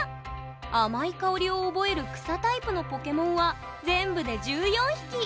「あまいかおり」を覚えるくさタイプのポケモンは全部で１４匹！